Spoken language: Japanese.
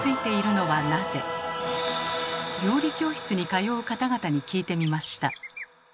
料理教室に通う方々に聞いてみました。